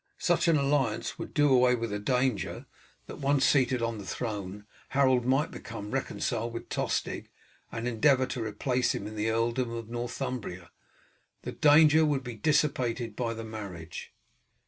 Such an alliance would do away with the danger, that once seated on the throne Harold might become reconciled with Tostig, and endeavour to replace him in the earldom of Northumbria. This danger would be dissipated by the marriage.